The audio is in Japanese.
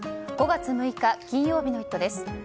５月６日、金曜日の「イット！」です。